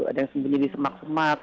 ada yang sembunyi di semak semak